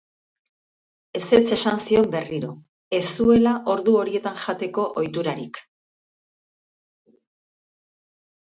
Ezetz esan zion berriro, ez zuela ordu horietan jateko ohiturarik.